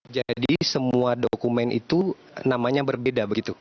jadi semua dokumen itu namanya berbeda begitu